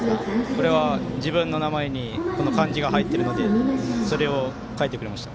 これは自分の名前にこの漢字が入っているのでそれを、書いてくれました。